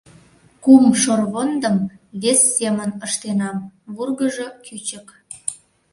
Кум шорвондым вес семын ыштенам, вургыжо кӱчык...